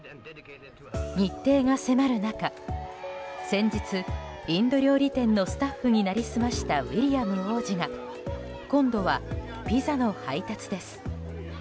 日程が迫る中、先日インド料理店のスタッフに成り済ましたウィリアム王子が今度はピザの配達です。